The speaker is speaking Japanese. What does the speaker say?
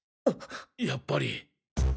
やっぱり！